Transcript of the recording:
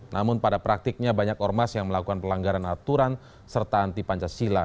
namun pada praktiknya banyak ormas yang melakukan pelanggaran aturan serta anti pancasila